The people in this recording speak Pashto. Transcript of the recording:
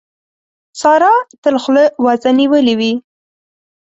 سارا تل خوله وازه نيولې وي.